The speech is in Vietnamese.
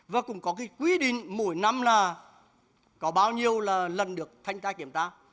và cũng có quy định mỗi năm là có bao nhiêu lần được thanh ta kiểm ta